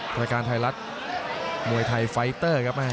รายการไทยรัฐมวยไทยไฟเตอร์ครับ